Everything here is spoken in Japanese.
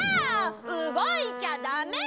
うごいちゃダメ！